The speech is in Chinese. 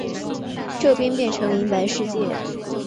这边变成银白世界